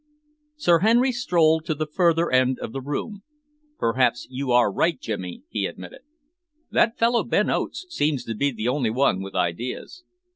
Sir Henry strolled to the further end of the room. "Perhaps you are right, Jimmy," he admitted. "That fellow Ben Oates seems to be the only one with ideas."